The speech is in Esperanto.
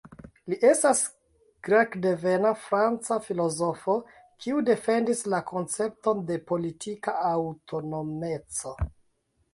Li estas grekdevena franca filozofo kiu defendis la koncepton de "politika aŭtonomeco".